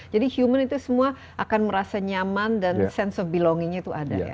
jadi human itu semua akan merasa nyaman dan sense of belonging itu ada ya